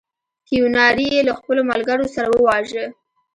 کیوناري یې له خپلو ملګرو سره وواژه.